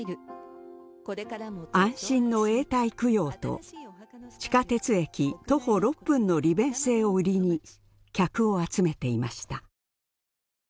「安心の永代供養」と「地下鉄駅徒歩６分の利便性」を売りに客を集めていました。